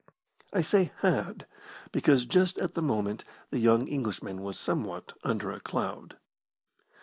I say "had," because just at the moment the young Englishman was somewhat under a cloud.